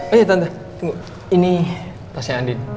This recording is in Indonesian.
oh iya tante tunggu ini tasnya andien